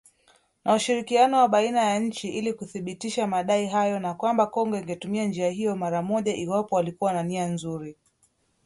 Na ushirikiano wa baina ya nchi ili kuthibitisha madai hayo na kwamba Kongo ingetumia njia hiyo mara moja iwapo walikuwa na nia nzuri.